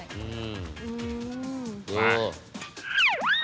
มา